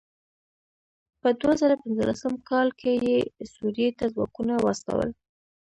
په دوه زره پنځلسم کال کې یې سوريې ته ځواکونه واستول.